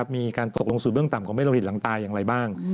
มีการตกลงสู่เบื้องต่ำของเมโลหิตหลังตายอย่างไรบ้าง